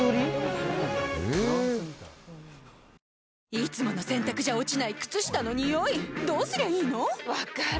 いつもの洗たくじゃ落ちない靴下のニオイどうすりゃいいの⁉分かる。